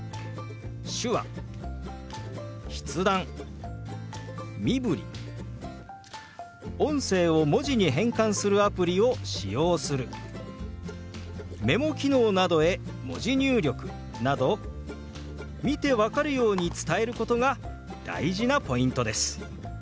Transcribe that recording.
手話筆談身振り音声を文字に変換するアプリを使用するメモ機能などへ文字入力など見て分かるように伝えることが大事なポイントです。